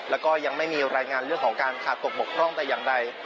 แล้วก็ยังไม่มีรายงานเรื่องของการขาดตกบกพร่องแต่อย่างใด